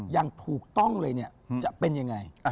อย่างถูกต้องเลยเนี่ยจะเป็นยังไง